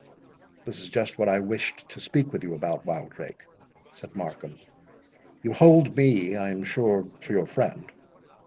"This is just what I wished to speak with you about, Wildrake," said Markham—"You hold me, I am sure, for your friend?"